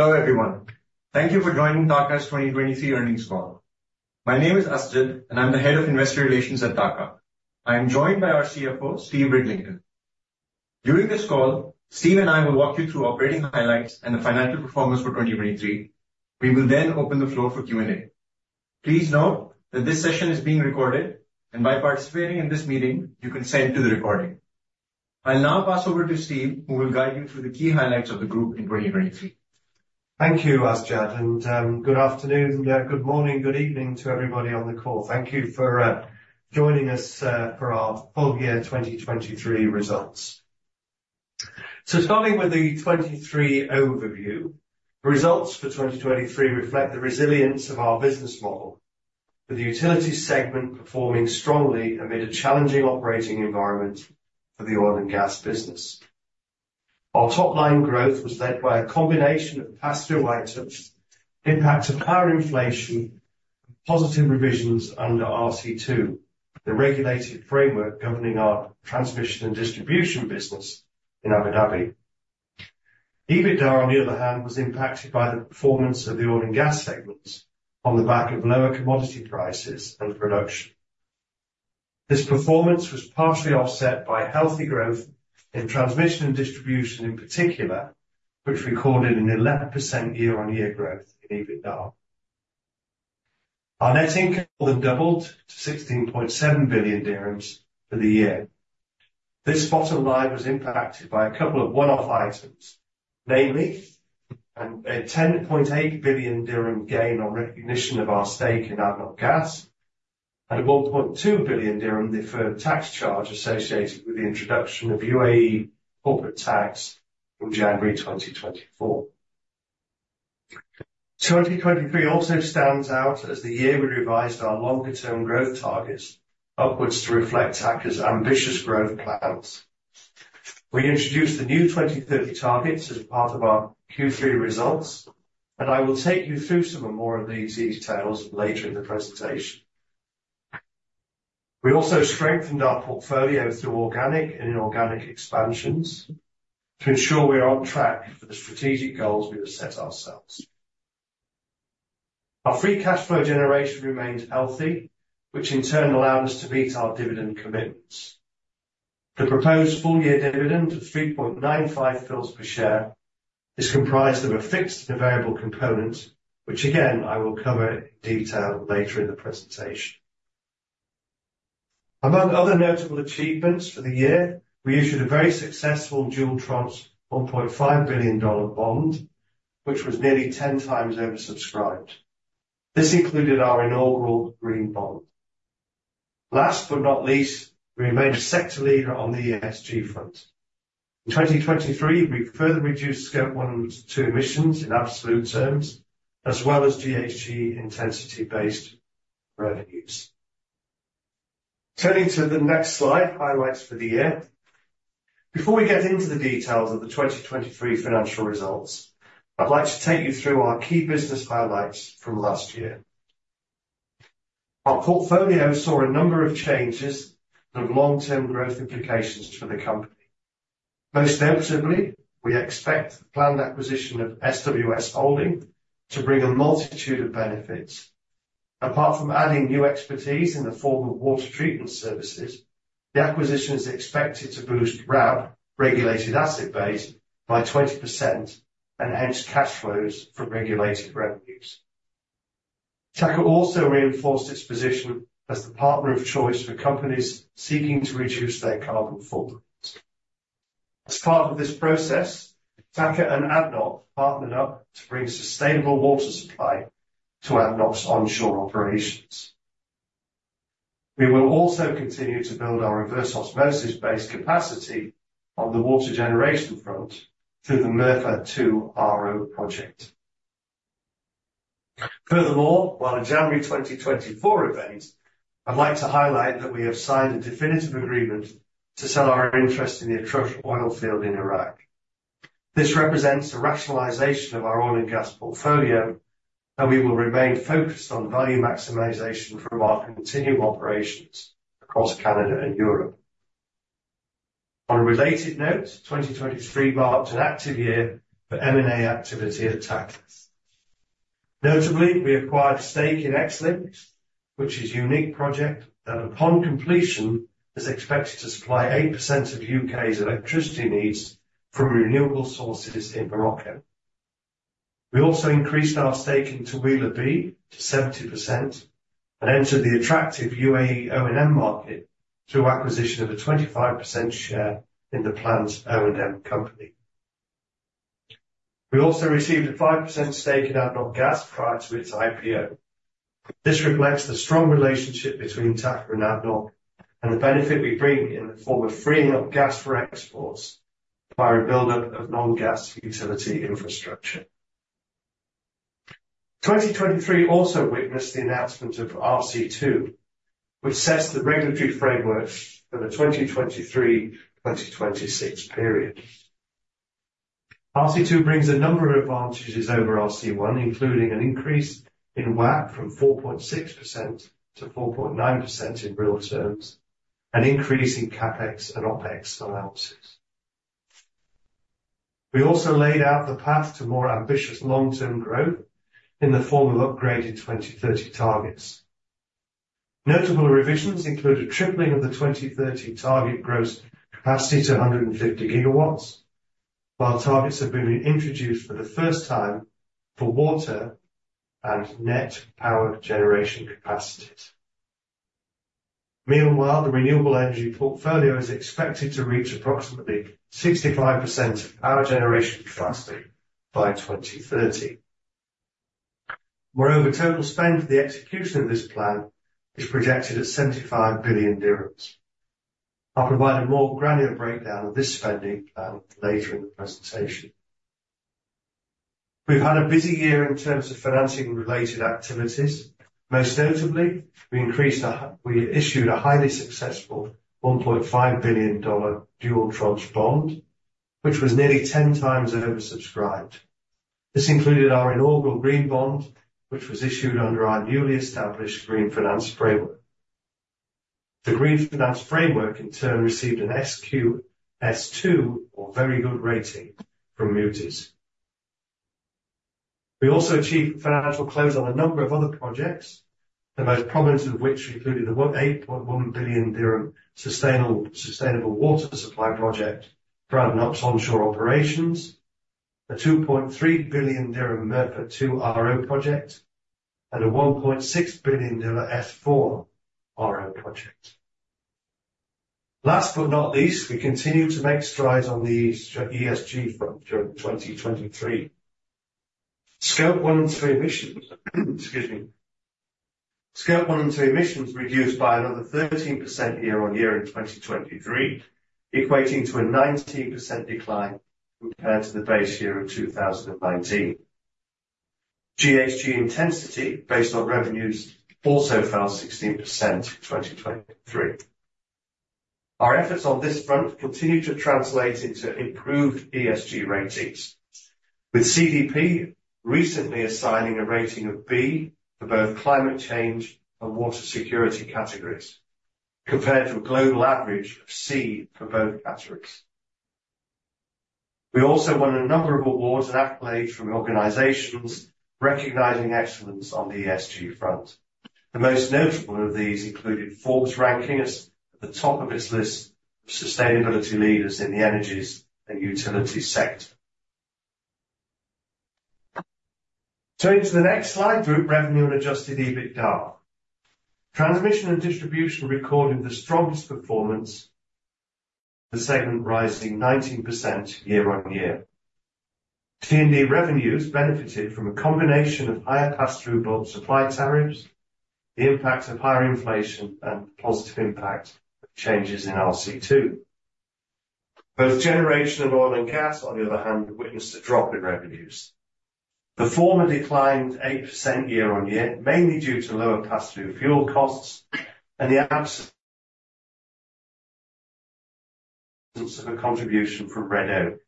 Hello, everyone. Thank you for joining TAQA's 2023 earnings call. My name is Asjad, and I'm the head of Investor Relations at TAQA. I am joined by our CFO, Steve Ridlington. During this call, Steve and I will walk you through operating highlights and the financial performance for 2023. We will then open the floor for Q&A. Please note that this session is being recorded, and by participating in this meeting, you consent to the recording. I'll now pass over to Steve, who will guide you through the key highlights of the group in 2023. Thank you, Asjad, and good afternoon, good morning, good evening to everybody on the call. Thank you for joining us for our full year 2023 results. Starting with the 2023 overview, the results for 2023 reflect the resilience of our business model, with the utility segment performing strongly amid a challenging operating environment for the oil and gas business. Our top line growth was led by a combination of pass-through items, impact of higher inflation, and positive revisions under RC2, the regulated framework governing our transmission and distribution business in Abu Dhabi. EBITDA, on the other hand, was impacted by the performance of the oil and gas segments on the back of lower commodity prices and production. This performance was partially offset by healthy growth in transmission and distribution, in particular, which recorded an 11% year-on-year growth in EBITDA. Our net income more than doubled to 16.7 billion dirhams for the year. This bottom line was impacted by a couple of one-off items, namely, a 10.8 billion dirham gain on recognition of our stake in ADNOC Gas, and a 1.2 billion dirham deferred tax charge associated with the introduction of UAE corporate tax from January 2024. 2023 also stands out as the year we revised our longer term growth targets upwards to reflect TAQA's ambitious growth plans. We introduced the new 2030 targets as part of our Q3 results, and I will take you through some more of these details later in the presentation. We also strengthened our portfolio through organic and inorganic expansions to ensure we are on track for the strategic goals we have set ourselves. Our free cash flow generation remains healthy, which in turn allowed us to meet our dividend commitments. The proposed full-year dividend of 3.95 fils per share is comprised of a fixed and variable component, which again, I will cover in detail later in the presentation. Among other notable achievements for the year, we issued a very successful dual tranche $1.5 billion bond, which was nearly 10 times oversubscribed. This included our inaugural green bond. Last but not least, we remain a sector leader on the ESG front. In 2023, we further reduced Scope 1 and 2 emissions in absolute terms, as well as GHG intensity-based revenues. Turning to the next slide, highlights for the year. Before we get into the details of the 2023 financial results, I'd like to take you through our key business highlights from last year. Our portfolio saw a number of changes and long-term growth implications for the company. Most notably, we expect the planned acquisition of SWS Holding to bring a multitude of benefits. Apart from adding new expertise in the form of water treatment services, the acquisition is expected to boost RAB, regulated asset base, by 20% and enhance cash flows from regulated revenues. TAQA also reinforced its position as the partner of choice for companies seeking to reduce their carbon footprint. As part of this process, TAQA and ADNOC partnered up to bring sustainable water supply to ADNOC's onshore operations. We will also continue to build our reverse osmosis-based capacity on the water generation front through the Mirfa II RO project. Furthermore, while in January 2024 event, I'd like to highlight that we have signed a definitive agreement to sell our interest in the Atrush oil field in Iraq. This represents a rationalization of our oil and gas portfolio, and we will remain focused on value maximization from our continuing operations across Canada and Europe. On a related note, 2023 marked an active year for M&A activity at TAQA. Notably, we acquired a stake in Xlinks, which is a unique project that, upon completion, is expected to supply 8% of UK's electricity needs from renewable sources in Morocco. We also increased our stake in Taweelah B to 70% and entered the attractive UAE O&M market through acquisition of a 25% share in the plant's O&M company. We also received a 5% stake in ADNOC Gas prior to its IPO. This reflects the strong relationship between TAQA and ADNOC and the benefit we bring in the form of freeing up gas for exports via a buildup of non-gas utility infrastructure. 2023 also witnessed the announcement of RC2, which sets the regulatory framework for the 2023/2026 period. RC2 brings a number of advantages over RC1, including an increase in WACC from 4.6%-4.9% in real terms, an increase in CapEx and OpEx allowances. We also laid out the path to more ambitious long-term growth in the form of upgraded 2030 targets. Notable revisions include a tripling of the 2030 target gross capacity to 150 GW, while targets have been introduced for the first time for water and net power generation capacities. Meanwhile, the renewable energy portfolio is expected to reach approximately 65% of power generation capacity by 2030. Moreover, total spend for the execution of this plan is projected at 75 billion dirhams. I'll provide a more granular breakdown of this spending plan later in the presentation. We've had a busy year in terms of financing-related activities. Most notably, we issued a highly successful $1.5 billion dual tranche bond, which was nearly 10 times oversubscribed. This included our inaugural green bond, which was issued under our newly established Green Finance Framework. The Green Finance Framework in turn received an SQS 2 or very good rating from Moody's. We also achieved financial close on a number of other projects, the most prominent of which included the 1.81 billion dirham sustainable water supply project for ADNOC's onshore operations, a 2.3 billion dirham Mirfa II RO project, and a AED 1.6 billion S4 RO project. Last but not least, we continue to make strides on the ESG front during 2023. Scope 1 and 2 emissions, excuse me. Scope 1 and 2 emissions reduced by another 13% year-on-year in 2023, equating to a 19% decline compared to the base year of 2019. GHG intensity based on revenues also fell 16% in 2023. Our efforts on this front continue to translate into improved ESG ratings, with CDP recently assigning a rating of B for both climate change and water security categories, compared to a global average of C for both categories. We also won a number of awards and accolades from organizations recognizing excellence on the ESG front. The most notable of these included Forbes ranking us at the top of its list of sustainability leaders in the energy and utilities sector. Turning to the next slide, group revenue and adjusted EBITDA. Transmission and distribution recorded the strongest performance, the segment rising 19% year-on-year. T&D revenues benefited from a combination of higher pass-through bulk supply tariffs, the impact of higher inflation, and positive impact of changes in RC2. Both generation and oil and gas, on the other hand, witnessed a drop in revenues. The former declined 8% year-on-year, mainly due to lower pass-through fuel costs and the absence of a contribution from Red Oak.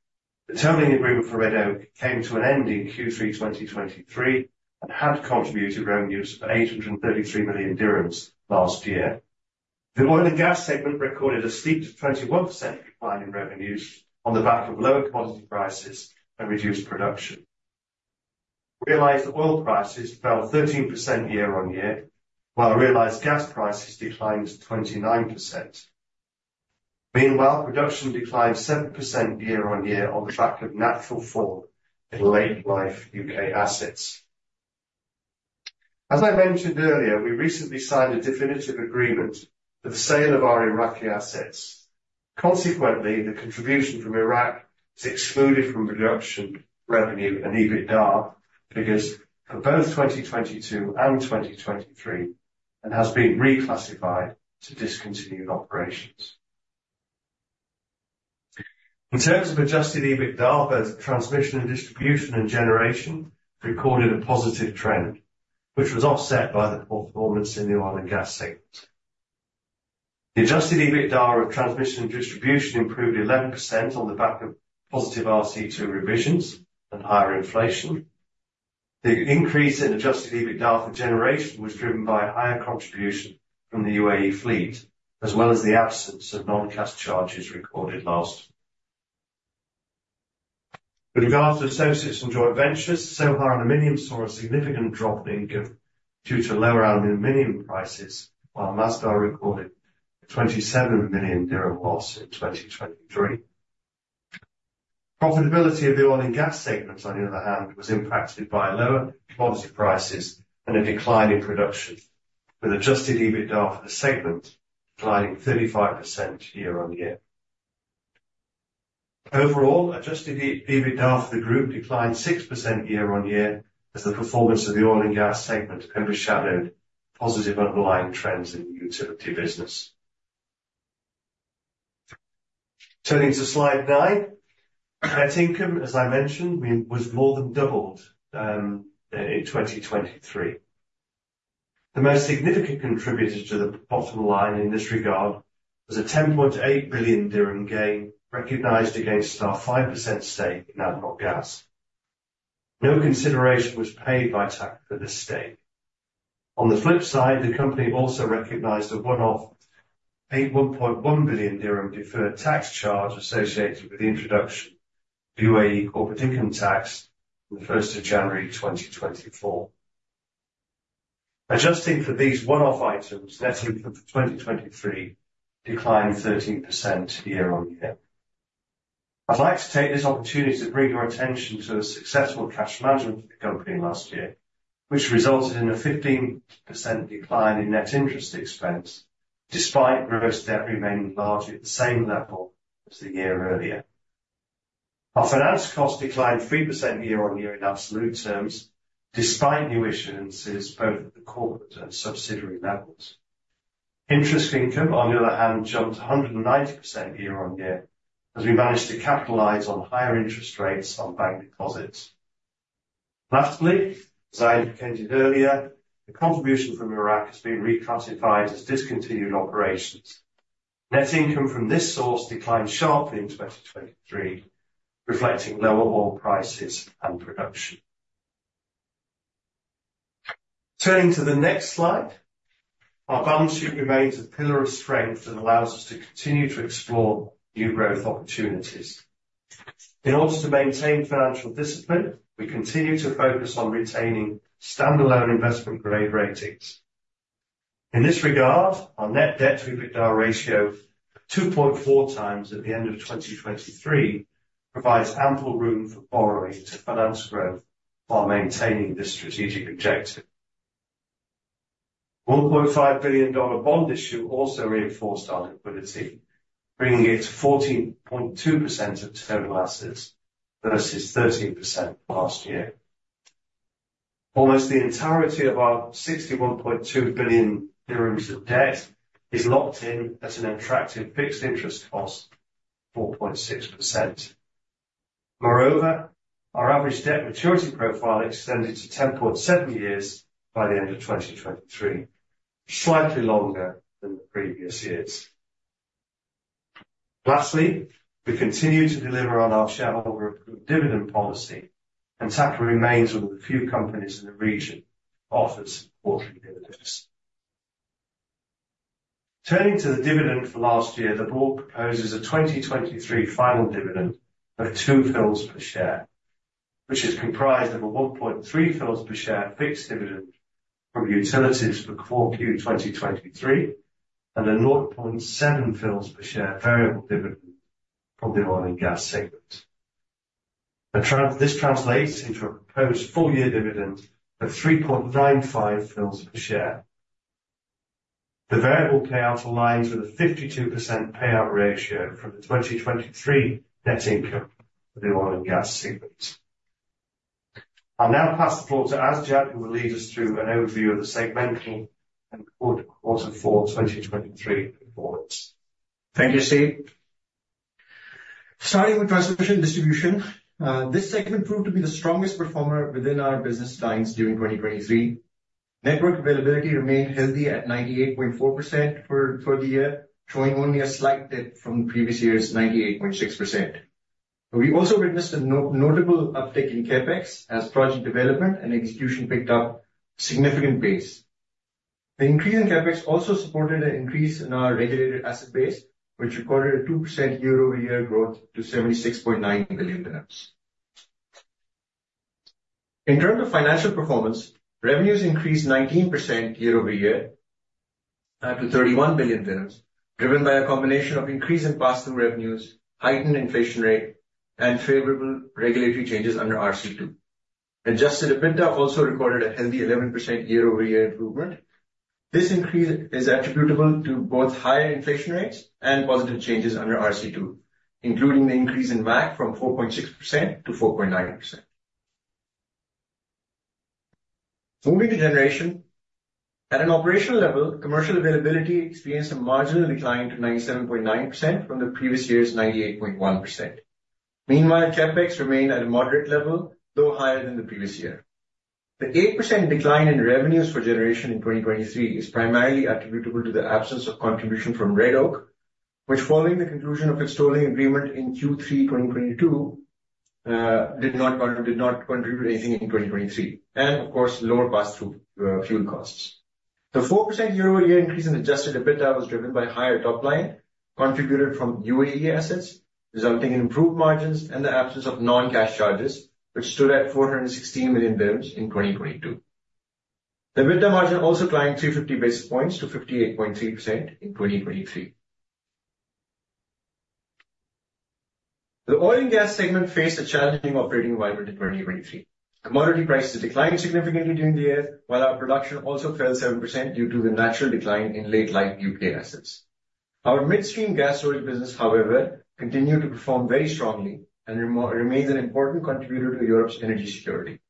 The terminating agreement for Red Oak came to an end in Q3 2023 and had contributed revenues of 833 million dirhams last year. The oil and gas segment recorded a steep 21% decline in revenues on the back of lower commodity prices and reduced production. Realized oil prices fell 13% year-on-year, while realized gas prices declined 29%. Meanwhile, production declined 7% year-on-year on the back of natural fall in late life U.K. assets. As I mentioned earlier, we recently signed a definitive agreement for the sale of our Iraqi assets. Consequently, the contribution from Iraq is excluded from production, revenue, and EBITDA figures for both 2022 and 2023, and has been reclassified to discontinued operations. In terms of adjusted EBITDA, both transmission and distribution and generation recorded a positive trend, which was offset by the performance in the oil and gas segment. The adjusted EBITDA of transmission and distribution improved 11% on the back of positive RC2 revisions and higher inflation. The increase in adjusted EBITDA for generation was driven by a higher contribution from the UAE fleet, as well as the absence of non-cash charges recorded last. With regards to associates and joint ventures, Emirates Global Aluminium saw a significant drop in income due to lower aluminum prices, while Masdar recorded an 27 million dirham loss in 2023. Profitability of the oil and gas segments, on the other hand, was impacted by lower commodity prices and a decline in production, with adjusted EBITDA for the segment declining 35% year-on-year. Overall, adjusted EBITDA for the group declined 6% year-on-year, as the performance of the oil and gas segment overshadowed positive underlying trends in the utility business. Turning to slide 9. Net income, as I mentioned, was more than doubled in 2023. The most significant contributor to the bottom line in this regard was an 10.8 billion dirham gain recognized against our 5% stake in ADNOC Gas. No consideration was paid by TAQA for this stake. On the flip side, the company also recognized a one-off 1.1 billion dirham deferred tax charge associated with the introduction of UAE corporate income tax on the first of January, 2024. Adjusting for these one-off items, net income for 2023 declined 13% year-on-year. I'd like to take this opportunity to bring your attention to the successful cash management of the company last year, which resulted in a 15% decline in net interest expense, despite gross debt remaining largely at the same level as the year earlier. Our finance costs declined 3% year-on-year in absolute terms, despite new issuances both at the corporate and subsidiary levels. Interest income, on the other hand, jumped 190% year-on-year, as we managed to capitalize on higher interest rates on bank deposits. Lastly, as I indicated earlier, the contribution from Iraq has been reclassified as discontinued operations. Net income from this source declined sharply in 2023, reflecting lower oil prices and production. Turning to the next slide, our balance sheet remains a pillar of strength and allows us to continue to explore new growth opportunities. In order to maintain financial discipline, we continue to focus on retaining standalone investment-grade ratings. In this regard, our net debt to EBITDA ratio, 2.4 times at the end of 2023, provides ample room for borrowing to finance growth while maintaining this strategic objective. $1.5 billion bond issue also reinforced our liquidity, bringing it to 14.2% of total assets versus 13% last year. Almost the entirety of our 61.2 billion dirhams of debt is locked in at an attractive fixed interest cost, 4.6%. Moreover, our average debt maturity profile extended to 10.7 years by the end of 2023, slightly longer than the previous years. Lastly, we continue to deliver on our shareholder dividend policy, and TAQA remains one of the few companies in the region that offers quarterly dividends. Turning to the dividend for last year, the board proposes a 2023 final dividend of 2 fils per share, which is comprised of a 1.3 fils per share fixed dividend from utilities for Q4 2023, and a 0.7 fils per share variable dividend from the oil and gas segment. This translates into a proposed full-year dividend of 3.95 fils per share. The variable payout aligns with a 52% payout ratio from the 2023 net income for the oil and gas segment. I'll now pass the floor to Asjad, who will lead us through an overview of the segmental and fourth quarter for 2023 forwards. Thank you, Steve. Starting with transmission distribution, this segment proved to be the strongest performer within our business lines during 2023. Network availability remained healthy at 98.4% for the year, showing only a slight dip from the previous year's 98.6%. We also witnessed a notable uptick in CapEx as project development and execution picked up significant pace. The increase in CapEx also supported an increase in our regulated asset base, which recorded a 2% year-over-year growth to 76.9 billion dirhams. In terms of financial performance, revenues increased 19% year-over-year to 31 billion dirhams, driven by a combination of increase in pass-through revenues, heightened inflation rate, and favorable regulatory changes under RC2. Adjusted EBITDA also recorded a healthy 11% year-over-year improvement. This increase is attributable to both higher inflation rates and positive changes under RC2, including the increase in WACC from 4.6%-4.9%. Moving to generation. At an operational level, commercial availability experienced a marginal decline to 97.9% from the previous year's 98.1%. Meanwhile, CapEx remained at a moderate level, though higher than the previous year. The 8% decline in revenues for generation in 2023 is primarily attributable to the absence of contribution from Red Oak, which, following the conclusion of its tolling agreement in Q3 2022, did not contribute anything in 2023, and of course, lower pass-through fuel costs. The 4% year-over-year increase in adjusted EBITDA was driven by higher top line contributed from UAE assets, resulting in improved margins and the absence of non-cash charges, which stood at 416 million in 2022. The EBITDA margin also climbed 350 basis points to 58.3% in 2023. The oil and gas segment faced a challenging operating environment in 2023. Commodity prices declined significantly during the year, while our production also fell 7% due to the natural decline in late-life UK assets. Our midstream gas oil business, however, continued to perform very strongly and remains an important contributor to Europe's energy security.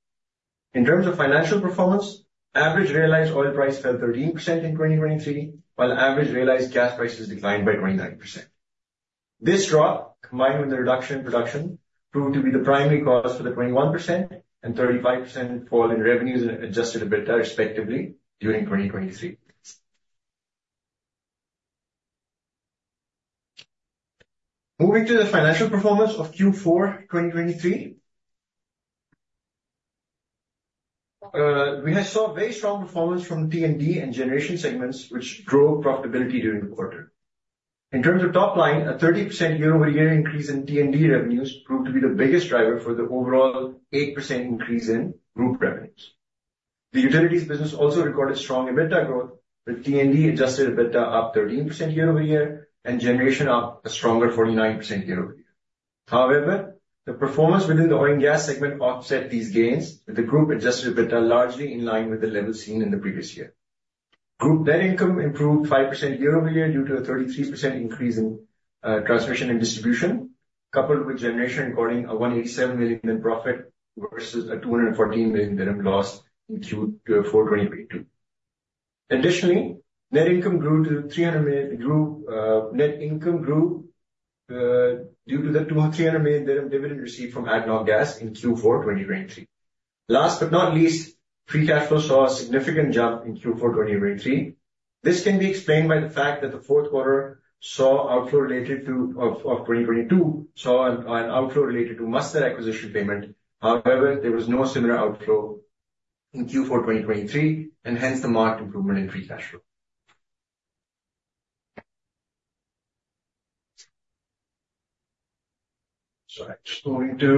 In terms of financial performance, average realized oil price fell 13% in 2023, while average realized gas prices declined by 29%. This drop, combined with the reduction in production, proved to be the primary cause for the 21% and 35% fall in revenues and adjusted EBITDA, respectively, during 2023. Moving to the financial performance of Q4 2023. We had saw very strong performance from T&D and generation segments, which drove profitability during the quarter. In terms of top line, a 30% year-over-year increase in T&D revenues proved to be the biggest driver for the overall 8% increase in group revenues. The utilities business also recorded strong EBITDA growth, with T&D adjusted EBITDA up 13% year-over-year, and generation up a stronger 49% year-over-year. However, the performance within the oil and gas segment offset these gains, with the group adjusted EBITDA largely in line with the level seen in the previous year. Group net income improved 5% year-over-year, due to a 33% increase in transmission and distribution, coupled with generation recording a 187 million net profit versus a 214 million dirham loss in Q4 2022. Additionally, net income grew to 300 million-- grew, net income grew due to the 300 million dirham dividend received from ADNOC Gas in Q4 2023. Last but not least, free cash flow saw a significant jump in Q4 2023. This can be explained by the fact that the fourth quarter of 2022 saw an outflow related to Masdar acquisition payment. However, there was no similar outflow in Q4 2023, and hence the marked improvement in free cash flow. Sorry, just going to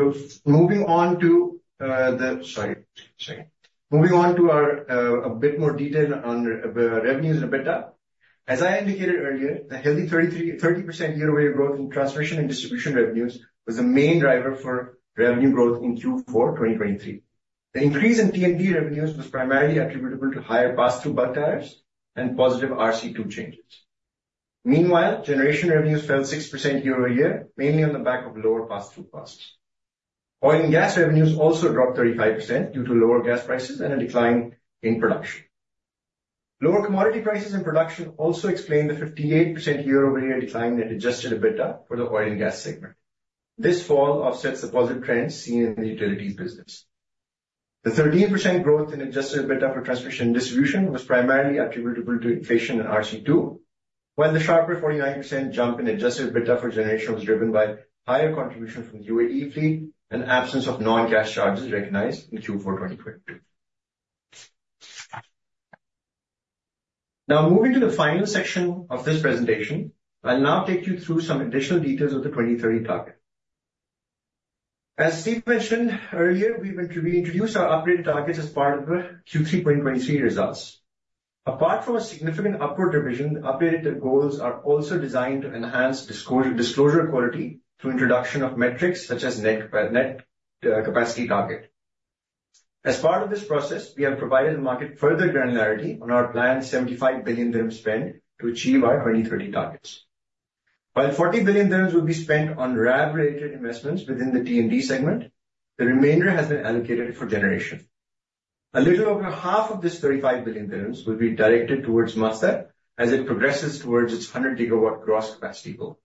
moving on to the. Sorry, sorry. Moving on to our, a bit more detail on the revenues and EBITDA. As I indicated earlier, the healthy 33% year-over-year growth in transmission and distribution revenues was the main driver for revenue growth in Q4 2023. The increase in T&D revenues was primarily attributable to higher pass-through bulk tariffs and positive RC2 changes. Meanwhile, generation revenues fell 6% year-over-year, mainly on the back of lower pass-through costs. Oil and gas revenues also dropped 35% due to lower gas prices and a decline in production. Lower commodity prices and production also explained the 58% year-over-year decline in adjusted EBITDA for the oil and gas segment. This fall offsets the positive trends seen in the utilities business. The 13% growth in adjusted EBITDA for transmission distribution was primarily attributable to inflation in RC2, while the sharper 49% jump in adjusted EBITDA for generation was driven by higher contribution from UAE fleet and absence of non-cash charges recognized in Q4 2022. Now, moving to the final section of this presentation, I'll now take you through some additional details of the 2030 target. As Steve mentioned earlier, we've we introduced our upgraded targets as part of the Q3 2023 results. Apart from a significant upward revision, the updated goals are also designed to enhance disclosure quality through introduction of metrics such as net, net, capacity target. As part of this process, we have provided the market further granularity on our planned 75 billion dirham spend to achieve our 2030 targets. While 40 billion dirhams will be spent on RAB-related investments within the T&D segment, the remainder has been allocated for generation. A little over half of this 35 billion dirhams will be directed towards Masdar as it progresses towards its 100 gigawatt gross capacity goal.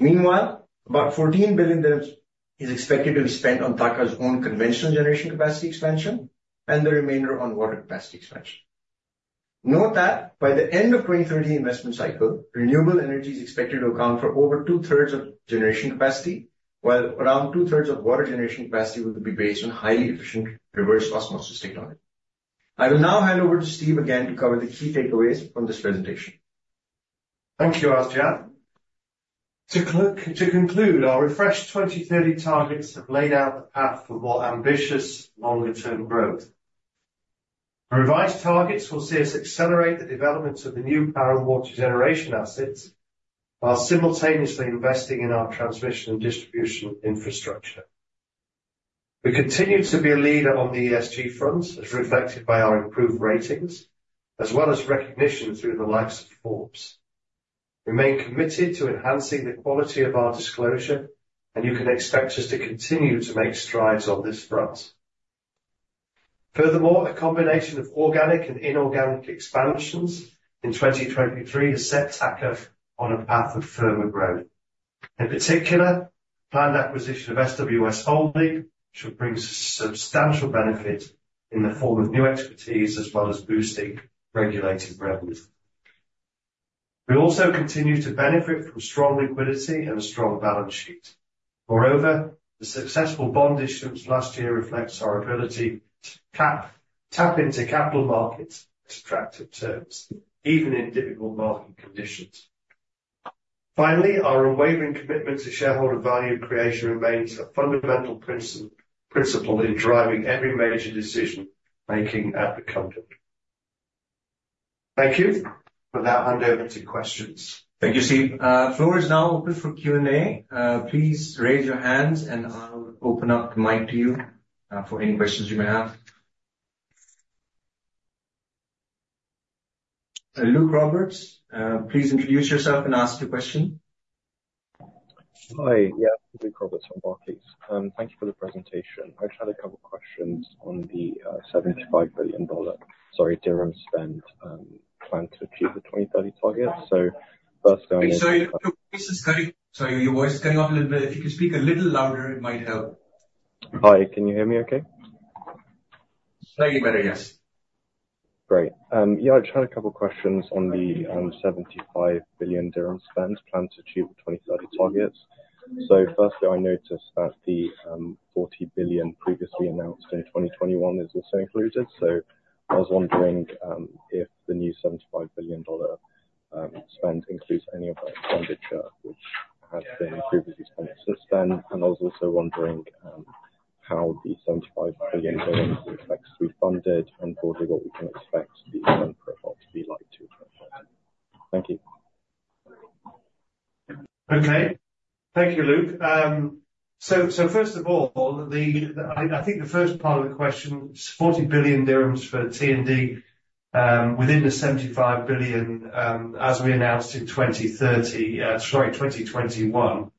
Meanwhile, about 14 billion dirhams is expected to be spent on TAQA's own conventional generation capacity expansion and the remainder on water capacity expansion. Note that by the end of 2030 investment cycle, renewable energy is expected to account for over two-thirds of generation capacity, while around two-thirds of water generation capacity will be based on highly efficient reverse osmosis technology. I will now hand over to Steve again to cover the key takeaways from this presentation. Thank you, Asjad. To conclude, our refreshed 2030 targets have laid out the path for more ambitious, longer-term growth. The revised targets will see us accelerate the development of the new power and water generation assets, while simultaneously investing in our transmission and distribution infrastructure. We continue to be a leader on the ESG front, as reflected by our improved ratings, as well as recognition through the likes of Forbes. We remain committed to enhancing the quality of our disclosure, and you can expect us to continue to make strides on this front. Furthermore, a combination of organic and inorganic expansions in 2023 has set TAQA on a path of further growth. In particular, planned acquisition of SWS Holding should bring substantial benefit in the form of new expertise, as well as boosting regulated revenue. We also continue to benefit from strong liquidity and a strong balance sheet. Moreover, the successful bond issuance last year reflects our ability to tap into capital markets' attractive terms, even in difficult market conditions. Finally, our unwavering commitment to shareholder value creation remains a fundamental principle in driving every major decision making at the company. Thank you. With that, I'll hand over to questions. Thank you, Steve. Floor is now open for Q&A. Please raise your hands, and I'll open up the mic to you for any questions you may have. Luke Roberts, please introduce yourself and ask your question. Hi. Yeah. Luke Roberts from Barclays. Thank you for the presentation. I just had a couple questions on the AED 75 billion spend plan to achieve the 2030 target. So firstly- Sorry, your voice is cutting. Sorry, your voice is cutting off a little bit. If you could speak a little louder, it might help. Hi, can you hear me okay?... Slightly better, yes. Great. Yeah, I just had a couple questions on the 75 billion dirham spend plan to achieve the 2030 targets. So firstly, I noticed that the 40 billion previously announced in 2021 is also included. So I was wondering if the new AED 75 billion spend includes any of that expenditure, which has been previously spent since then? And I was also wondering how the AED 75 billion is expected to be funded and also what we can expect the spend profile to be like too. Thank you. Okay. Thank you, Luke. So first of all, I think the first part of the question, 40 billion dirhams for T&D within the 75 billion, as we announced in 2030, sorry, 2021.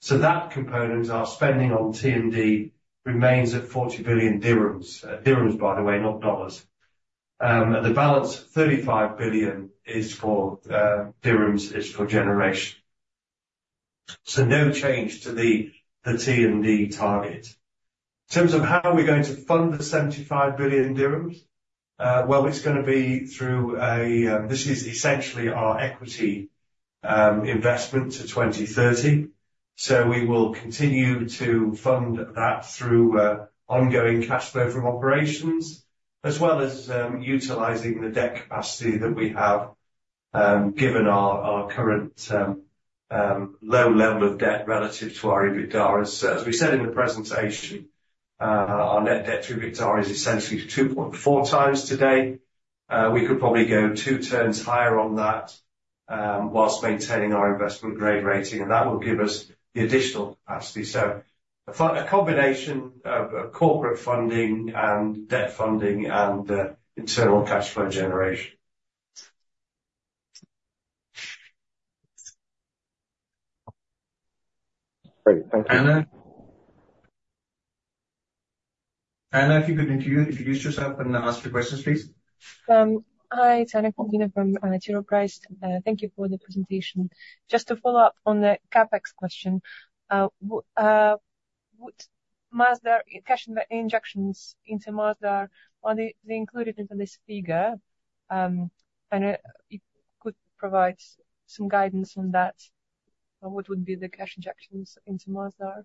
So that component, our spending on T&D, remains at 40 billion dirhams. Dirhams, by the way, not dollars. And the balance, 35 billion is for dirhams, is for generation. So no change to the T&D target. In terms of how we're going to fund the 75 billion dirhams, well, it's gonna be through a... This is essentially our equity investment to 2030, so we will continue to fund that through ongoing cash flow from operations, as well as utilizing the debt capacity that we have, given our current low level of debt relative to our EBITDA. As we said in the presentation, our Net Debt to EBITDA is essentially 2.4 times today. We could probably go 2 turns higher on that, whilst maintaining our investment grade rating, and that will give us the additional capacity. So a combination of corporate funding and debt funding and internal cash flow generation. Great. Thank you. Anna? Anna, if you could introduce yourself and ask your questions, please. Hi, it's Anna Popina from T. Rowe Price. Thank you for the presentation. Just to follow up on the CapEx question, would Masdar cash injections into Masdar, are they, they included into this figure? You could provide some guidance on that, on what would be the cash injections into Masdar? Sure.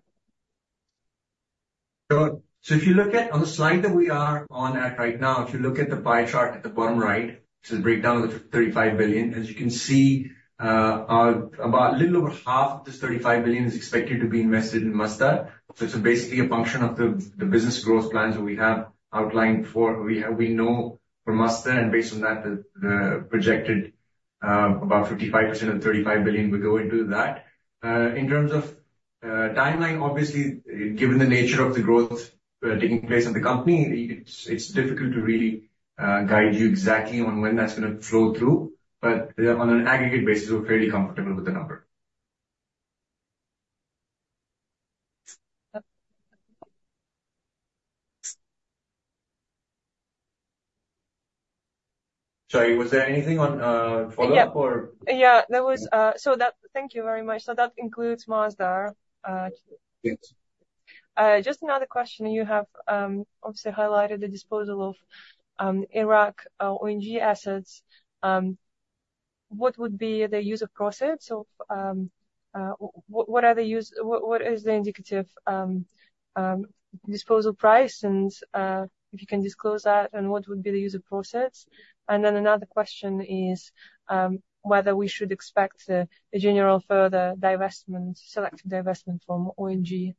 So if you look at, on the slide that we are on right now, if you look at the pie chart at the bottom right, it's a breakdown of the 35 billion. As you can see, about a little over half of this 35 billion is expected to be invested in Masdar. So it's basically a function of the business growth plans that we have outlined for Masdar, and based on that, the projected about 55% of 35 billion will go into that. In terms of timeline, obviously, given the nature of the growth taking place in the company, it's difficult to really guide you exactly on when that's going to flow through, but on an aggregate basis, we're fairly comfortable with the number. Sorry, was there anything on follow-up or? Yeah. There was. Thank you very much. So that includes Masdar. Yes. Just another question, you have obviously highlighted the disposal of Iraq O&G assets. What would be the use of proceeds? What is the indicative disposal price? And if you can disclose that, and what would be the use of proceeds? And then another question is whether we should expect a general further divestment, select divestment from O&G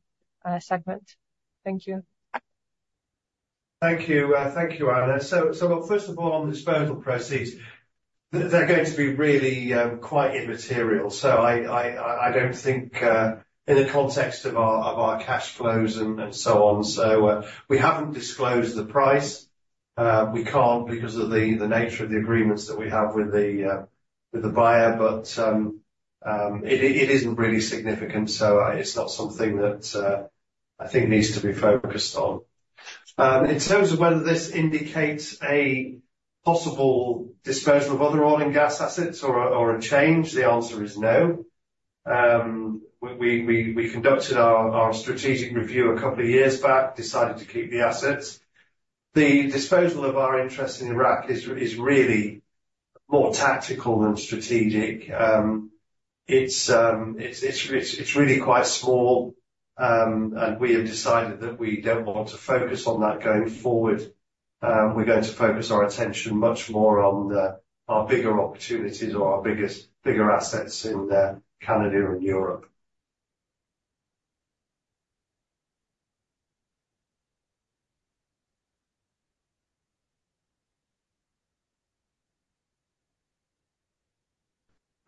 segment. Thank you. Thank you. Thank you, Anna. So, so look, first of all, on the disposal proceeds, they're going to be really quite immaterial. So I, I, I don't think in the context of our, of our cash flows and so on. So we haven't disclosed the price. We can't, because of the nature of the agreements that we have with the buyer. But it isn't really significant, so it's not something that I think needs to be focused on. In terms of whether this indicates a possible disposal of other oil and gas assets or a change, the answer is no. We conducted our strategic review a couple of years back, decided to keep the assets. The disposal of our interest in Iraq is really more tactical than strategic. It's really quite small, and we have decided that we don't want to focus on that going forward. We're going to focus our attention much more on our bigger opportunities or our biggest assets in Canada and Europe.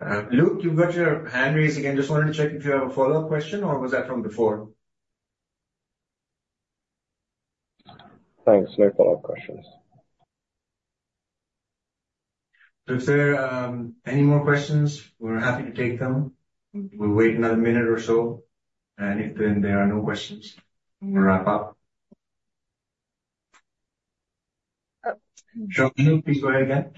Luke, you've got your hand raised again. Just wanted to check if you have a follow-up question or was that from before? Thanks. No follow-up questions. If there any more questions, we're happy to take them. We'll wait another minute or so, and if then there are no questions, we'll wrap up. Anna, please go ahead again. ...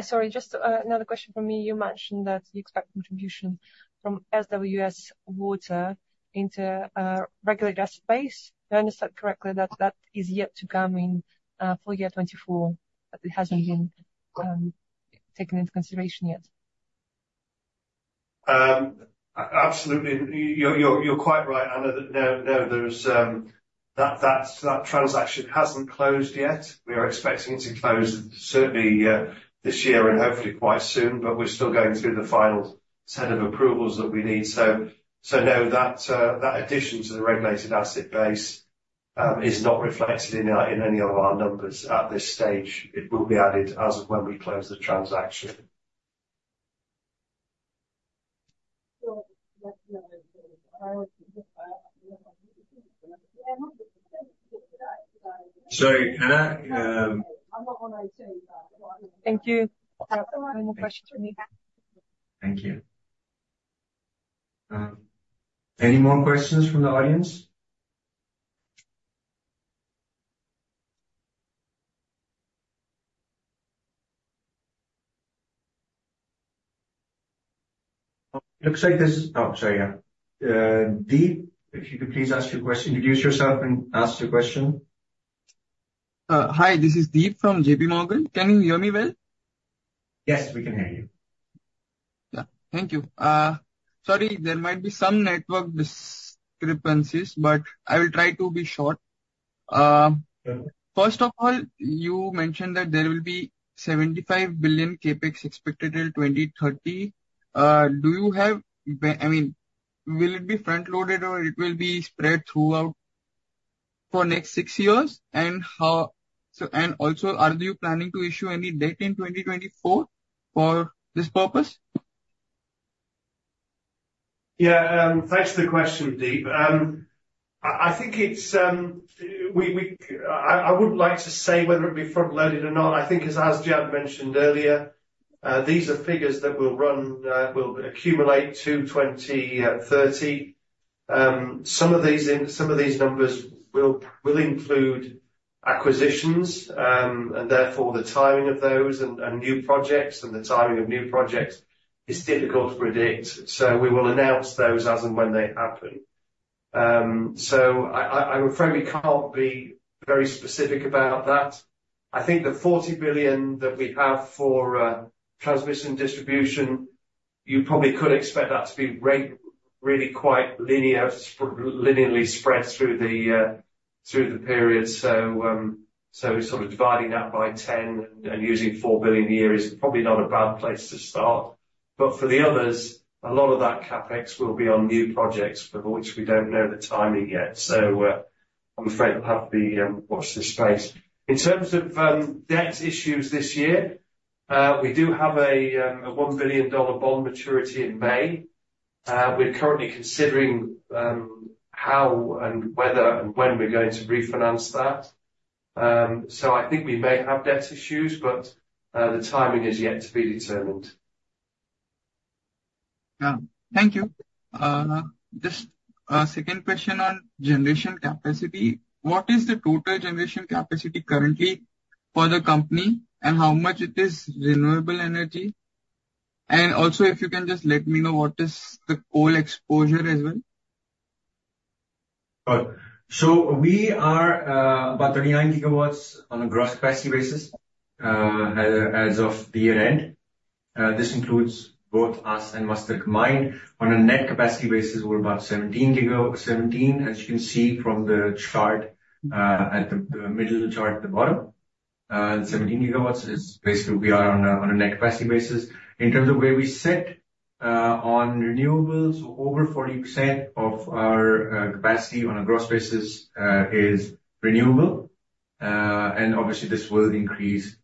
Sorry, just another question from me. You mentioned that you expect contribution from SWS Water into regular gas space. Do I understand correctly that that is yet to come in for year 2024, but it hasn't been taken into consideration yet? Absolutely. You're quite right, Anna, that transaction hasn't closed yet. We are expecting it to close certainly this year and hopefully quite soon, but we're still going through the final set of approvals that we need. So no, that addition to the regulated asset base is not reflected in any of our numbers at this stage. It will be added as of when we close the transaction. Sorry, Anna. Thank you. No more questions from me. Thank you. Any more questions from the audience? Looks like there's... Oh, sorry. Yeah. Deep, if you could please ask your question, introduce yourself and ask your question. Hi, this is Deep from JP Morgan. Can you hear me well? Yes, we can hear you. Yeah. Thank you. Sorry, there might be some network discrepancies, but I will try to be short. First of all, you mentioned that there will be 75 billion CapEx expected in 2030. Do you have, I mean, will it be front-loaded, or it will be spread throughout for next six years? And how... So, and also, are you planning to issue any debt in 2024 for this purpose? Yeah. Thanks for the question, Deep. I wouldn't like to say whether it be front-loaded or not. I think as Jad mentioned earlier, these are figures that will run, will accumulate to 20-30 billion. Some of these numbers will include acquisitions, and therefore the timing of those and new projects and the timing of new projects is difficult to predict. So we will announce those as and when they happen. So I'm afraid we can't be very specific about that. I think the 40 billion that we have for transmission distribution, you probably could expect that to be rather really quite linear, linearly spread through the period. So, sort of dividing that by 10 and using $4 billion a year is probably not a bad place to start. But for the others, a lot of that CapEx will be on new projects for which we don't know the timing yet. I'm afraid we'll have to watch this space. In terms of debt issues this year, we do have a $1 billion bond maturity in May. We're currently considering how and whether and when we're going to refinance that. I think we may have debt issues, but the timing is yet to be determined. Yeah. Thank you. Just a second question on generation capacity. What is the total generation capacity currently for the company, and how much it is renewable energy? And also, if you can just let me know, what is the coal exposure as well? So we are about 39 gigawatts on a gross capacity basis, as of the year end. This includes both us and Masdar combined. On a net capacity basis, we're about 17 giga, 17, as you can see from the chart, at the middle of the chart at the bottom. 17 gigawatts is basically we are on a net capacity basis. In terms of where we sit, on renewables, over 40% of our capacity on a gross basis is renewable. And obviously, this will increase,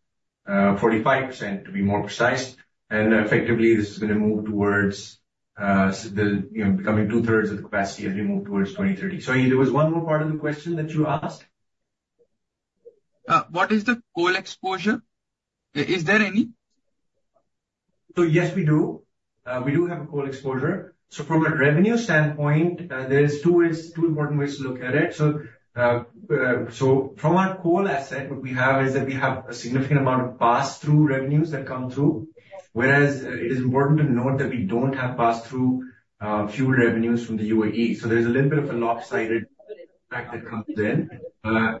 45% to be more precise, and effectively, this is going to move towards, you know, becoming two-thirds of the capacity as we move towards 2030. Sorry, there was one more part of the question that you asked? What is the coal exposure? Is there any? So yes, we do. We do have a coal exposure. So from a revenue standpoint, there is two ways, two important ways to look at it. So, so from our coal asset, what we have is that we have a significant amount of pass-through revenues that come through, whereas it is important to note that we don't have pass-through, fuel revenues from the UAE. So there's a little bit of a lopsided factor that comes in.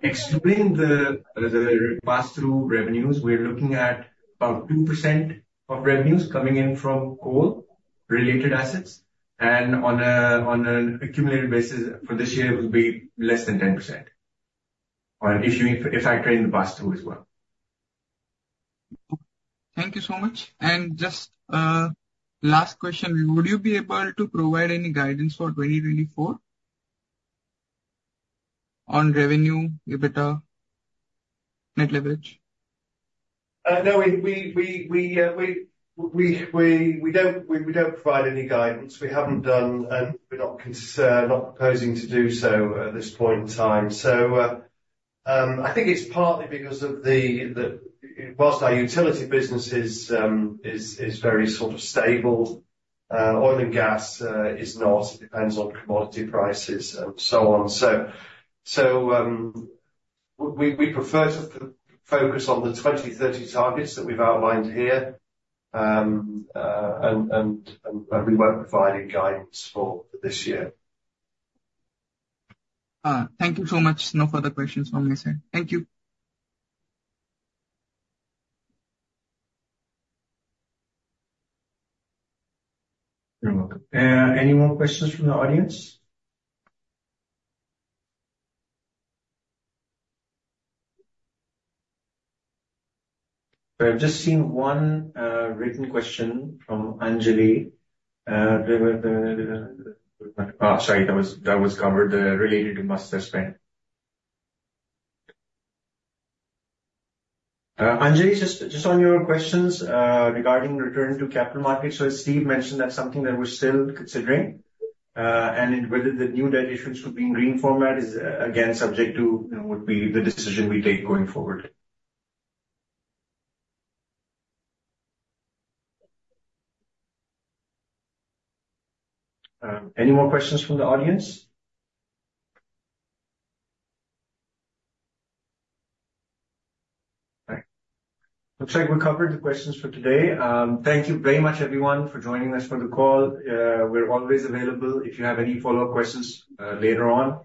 Excluding the, the pass-through revenues, we're looking at about 2% of revenues coming in from coal-related assets, and on a, on an accumulated basis for this year, it will be less than 10% including, if I include the pass-through as well. Thank you so much. And just, last question. Would you be able to provide any guidance for 2024 on revenue, EBITDA, net leverage? No, we don't provide any guidance. We haven't done, and we're not proposing to do so at this point in time. So, I think it's partly because of the while our utility business is very sort of stable, oil and gas is not. It depends on commodity prices and so on. So, we prefer to focus on the 2030 targets that we've outlined here. And we won't provide any guidance for this year. Thank you so much. No further questions from my side. Thank you. You're welcome. Any more questions from the audience? I've just seen one, written question from Anjali. Oh, sorry. That was, that was covered, related to Masdar spend. Anjali, just, just on your questions, regarding return to capital markets, so Steve mentioned that's something that we're still considering, and whether the new debt issues will be in green format is again, subject to, you know, would be the decision we take going forward. Any more questions from the audience? All right. Looks like we covered the questions for today. Thank you very much, everyone, for joining us for the call. We're always available if you have any follow-up questions, later on,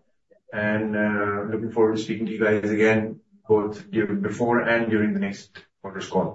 and looking forward to speaking to you guys again, both during, before and during the next quarters call.